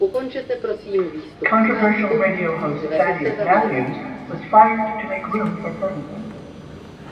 Controversial radio host Thaddeus Matthews was fired to make room for Ferguson.